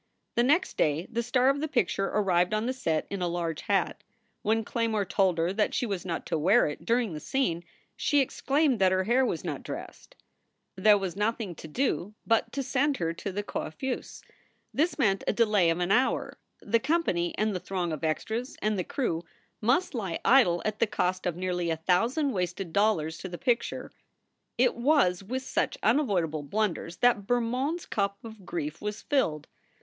The next day the star of the picture arrived on the set in a large hat. When Claymore told her that she was not to wear it during the scene she exclaimed that her hair was not dressed. 238 SOULS FOR SALE There was nothing to do but send her to the coiffeuse. This meant a delay of an hour. The company and the throng of extras and the crew must lie idle at the cost of nearly a thousand wasted dollars to the picture It was with such unavoidable blunders that Bermond s cup of grief was filled.